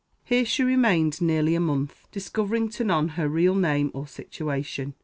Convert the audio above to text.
Here she remained nearly a month, discovering to none her real name or situation.